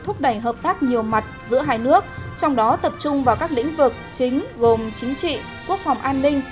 thúc đẩy hợp tác nhiều mặt giữa hai nước trong đó tập trung vào các lĩnh vực chính gồm chính trị quốc phòng an ninh